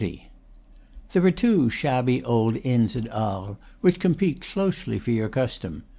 XXX. There are two shabby old inns at Arles, which compete closely for your custom.